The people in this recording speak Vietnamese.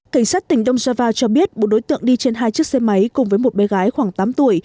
cảnh sát tỉnh dongjava cho biết một đối tượng đi trên hai chiếc xe máy cùng với một bé gái khoảng tám tuổi